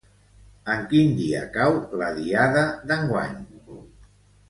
En quin dia cau la diada enguany?